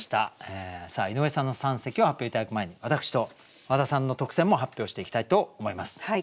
さあ井上さんの三席を発表頂く前に私と和田さんの特選も発表していきたいと思います。